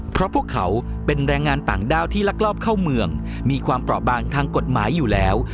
เพราะพวกเขาเป็นแรงงานต่างด้าวที่ลักลอบเข้าเมืองมีความเปราะบางทางกฎหมายอยู่แล้ว